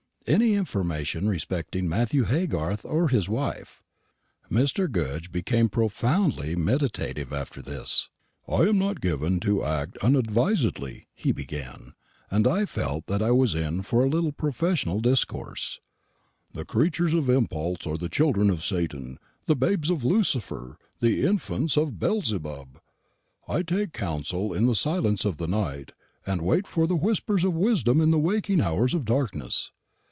"Any information respecting Matthew Haygarth or his wife." Mr. Goodge became profoundly meditative after this. "I am not given to act unadvisedly," he began and I felt that I was in for a little professional discourse: "the creatures of impulse are the children of Satan, the babes of Lucifer, the infants of Beelzebub. I take counsel in the silence of the night, and wait the whispers of wisdom in the waking hours of darkness.